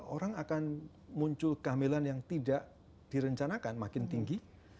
orang akan muncul kehamilan yang tidak direncanakan makin tinggi